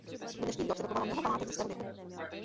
Do dnešních dob se dochovalo mnoho památek ze starověku.